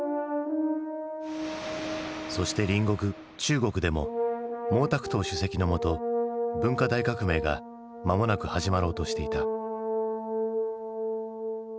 そして隣国中国でも毛沢東主席のもと文化大革命が間もなく始まろうとしていた。